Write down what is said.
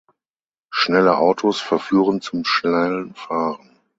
Schnelle Autos verführen zum schnellen Fahren.